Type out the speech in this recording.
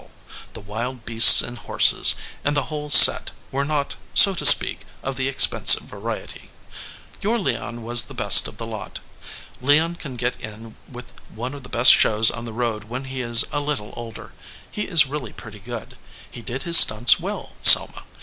165 EDGEWATER PEOPLE ,The wild beasts and horses, and the whole set, were not, so to speak, of the expensive variety. Your Leon was the best of the lot. Leon can get in with one of the best shows on the road when he is a little older. He is really pretty good. He did his stunts well, Selma.